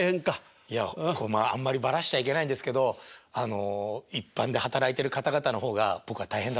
いやあんまりばらしちゃいけないんですけどあの一般で働いてる方々の方が僕は大変だと思います。